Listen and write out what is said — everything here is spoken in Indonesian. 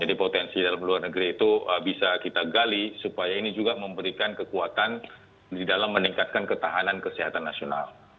jadi potensi dalam luar negeri itu bisa kita gali supaya ini juga memberikan kekuatan di dalam meningkatkan ketahanan kesehatan nasional